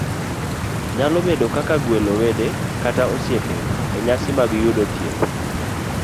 nyalo bedo kaka gwelo wede kata osiepe e nyasi mag yudo thieth,